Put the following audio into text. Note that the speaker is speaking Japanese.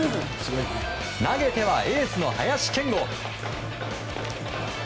投げてはエースの林謙吾。